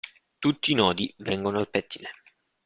Tutti i nodi vengono al pettine.